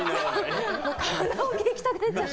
カラオケ行きたくなっちゃって。